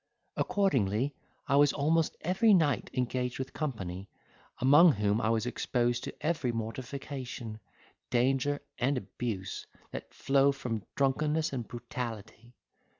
Accordingly, I was almost every night engaged with company, among whom I was exposed to every mortification, danger, and abuse, that flow from drunkenness and brutality.